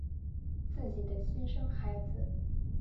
自己的亲生孩子